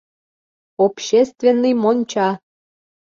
Общественный монча!